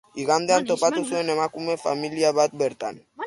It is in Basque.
Igandean topatu zuen emakumeak familia bat bertan.